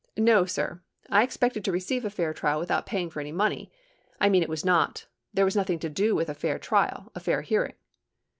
No, sir, I expected to receive a fair trial without paying any money. I mean it was not — there was nothing to do with a fair trial, a fair hearing.